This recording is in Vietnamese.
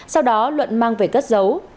sau đó luận mang về cất dấu